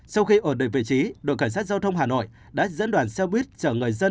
sau khi ở được vị trí đội cảnh sát giao thông hà nội đã dẫn đoàn xe buýt chở người dân